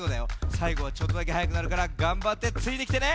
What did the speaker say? さいごはちょっとだけはやくなるからがんばってついてきてね。